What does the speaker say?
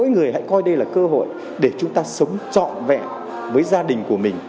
mỗi người hãy coi đây là cơ hội để chúng ta sống trọn vẹn với gia đình của mình